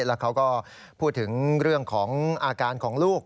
แล้วเขาก็พูดถึงเรื่องของอาการของลูก